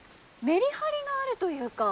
メリハリがあるというか。